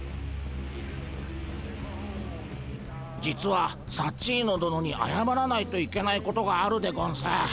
実はサッチーノ殿にあやまらないといけないことがあるでゴンス。